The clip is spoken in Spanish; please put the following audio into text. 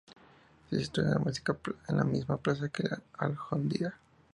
Se sitúa en la misma plaza que la alhóndiga.